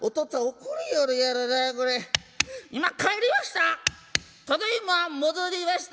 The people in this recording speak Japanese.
今帰りました！